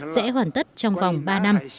sẽ hoàn tất trong vòng ba năm